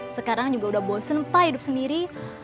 sekarang juga udah bosen pak hidup sendiri